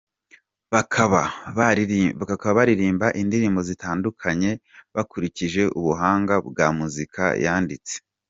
Bakaba baririmba indirimbo zitandukanye bakurikije ubuhanga bwa muzika yanditse.